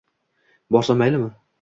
borsam maylimi?